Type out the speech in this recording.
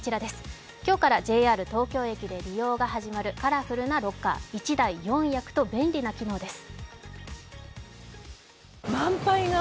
今日からＪＲ東京駅で利用が始まるカラフルなロッカー、１台４役と便利な機能です。